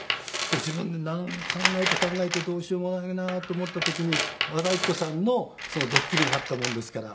自分で考えて考えてどうしようもないなって思った時に和田アキ子さんのドッキリがあったもんですから。